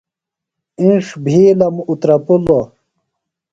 اِنڇ بِھیلم اوترپِلوۡ۔